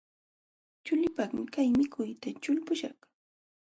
Chuliipaqmi kay mikuyta ćhulpuśhaq.